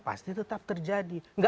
pasti tetap terjadi